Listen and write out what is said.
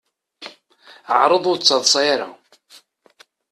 Ɛṛeḍ ur d-ttaḍṣa ara.